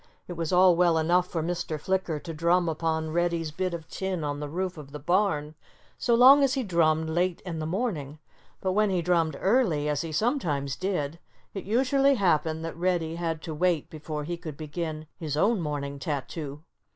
It was all well enough for Mr. Flicker to drum upon Reddy's bit of tin on the roof of the barn so long as he drummed late in the morning. But when he drummed early, as he sometimes did, it usually happened that Reddy had to wait before he could begin his own morning tattoo.